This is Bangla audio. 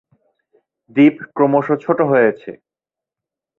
দ্বীপ ক্রমশ ছোট হয়েছে।